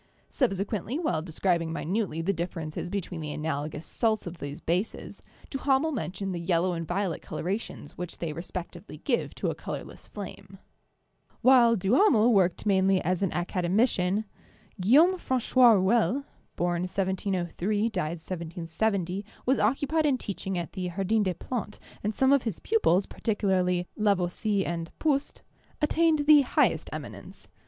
Subsequently, while describing minutely the differ ences between the analogous salts of these bases, Duha mel mentioned the yellow and violet colorations which they respectively give to a colorless flame. While Duhamel worked mainly as an academician, Guil laume Francois Rouelle (born 1703, died 1770) was occu pied in teaching at the Jardin des Plantes, and some of his pupils, particularly Lavoisier and Proust, attained the highest eminence.